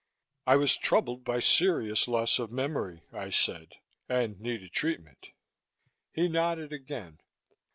I was troubled by serious loss of memory, I said, and needed treatment. He nodded again.